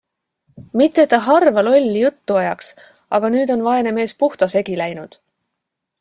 Mitte, et ta harva lolli juttu ajaks, aga nüüd on vaene mees puhta segi läinud.